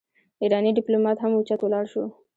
ايرانی ډيپلومات هم اوچت ولاړ شو.